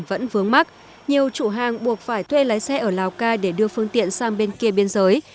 vẫn vướng mắt nhiều chủ hàng buộc phải thuê lái xe ở lào cai để đưa phương tiện sang bên kia biên giới